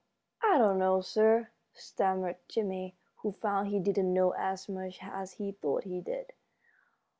"I don't know, sir," stammered Jimmie, who found he didn't know as much as he thought he did.